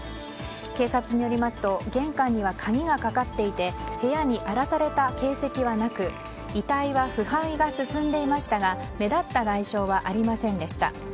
警察によりますと玄関には鍵がかかっていて部屋に荒らされた形跡はなく遺体は腐敗が進んでいましたが目立った外傷はありませんでした。